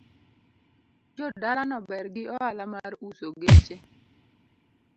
Jodala no ber gi oala mar uso geche